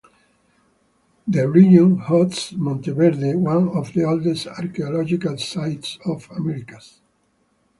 The region hosts Monte Verde, one of the oldest archaeological sites of the Americas.